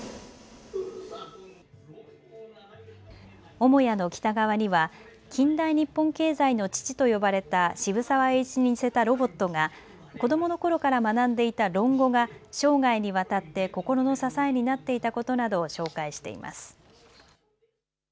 母屋の北側には近代日本経済の父と呼ばれた渋沢栄一に似せたロボットが子どものころから学んでいた論語が生涯にわたって心の支えになっていたことなどを紹介しています。